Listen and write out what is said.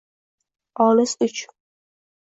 Olis uch